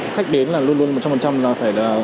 khách đến là luôn luôn một trăm linh là phải